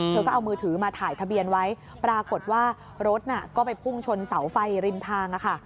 เธอก็เอามือถือมาถ่ายทะเบียนไว้ปรากฏว่ารถน่ะก็ไปพุ่งชนเสาไฟริมทางค่ะ